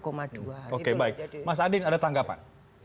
oke baik mas adin ada tanggapan